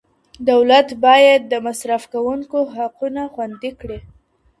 دولت باید د مصرف کوونکو حقونه خوندي کړي.